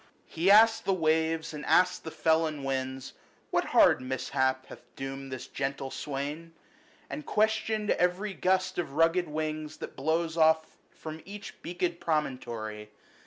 90 He asked the waves, and asked the felon winds, What hard mishap hath doomed this gentle swain? And questioned every gust of rugged wings That blows off from each beaked promontory.